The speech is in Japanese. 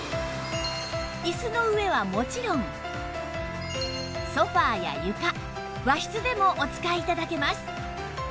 椅子の上はもちろんソファや床和室でもお使い頂けます